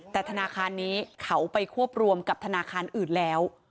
แต่ธนาคารนี้เขาไปควบรวมกับธนาคารอื่นแล้ว